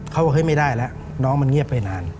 เขาเข้าให้ไม่ได้แล้วน้องมันเงียบไปนาน